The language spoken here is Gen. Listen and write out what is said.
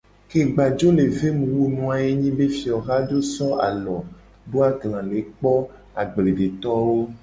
Ke gba jo le ve mu wu nu a ye nyi be fioha jo so alo do agla le kpo agbledetowo.